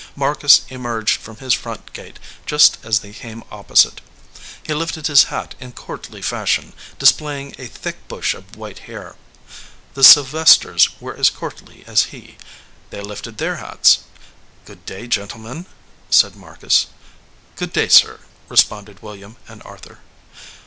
Marcus emerged from his front gate just as they came opposite. He lifted his hat in courtly fashion, displaying a thick busfi of white hair. The Sylvesters were as courtly as he. They lifted their hats. "Good day, gentle men," said Marcus. "Good day, sir," responded William and Arthur.